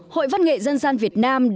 hội văn nghệ dân gian việt nam